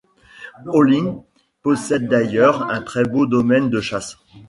Holling possède d'ailleurs un très beau domaine de chasse.